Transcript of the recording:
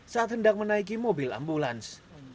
saat hendak menaiki mobil ambulans